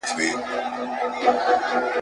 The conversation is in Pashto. ګټور کتابونه په درو ژبو